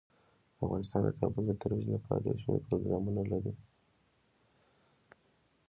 افغانستان د کابل د ترویج لپاره یو شمیر پروګرامونه لري.